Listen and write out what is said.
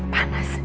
baiklah ini gini